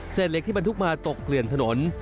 เหล็กที่บรรทุกมาตกเกลื่อนถนน